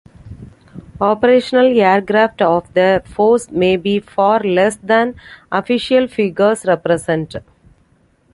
Operational aircraft of the force may be far less than official figures represent.